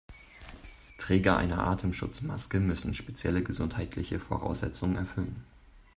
Träger einer Atemschutzmaske müssen spezielle gesundheitliche Voraussetzungen erfüllen.